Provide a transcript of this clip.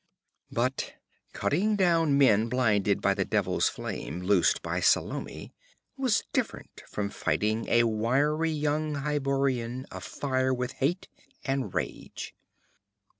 But cutting down men blinded by the devil's flame loosed by Salome was different from fighting a wiry young Hyborian afire with hate and rage.